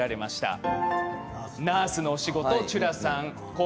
「ナースのお仕事」「ちゅらさん」